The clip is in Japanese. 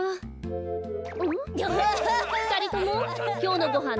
ふたりともきょうのごはん